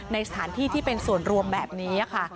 ในสถานที่ที่เป็นส่วนรวมแบบนี้ค่ะ